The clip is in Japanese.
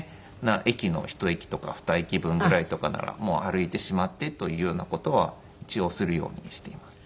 駅の１駅とか２駅分ぐらいとかならもう歩いてしまってというような事は一応するようにしています。